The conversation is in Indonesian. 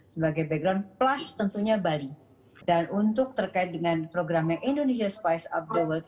sebagai background plus tentunya bali dan untuk terkait dengan program yang indonesia spice up global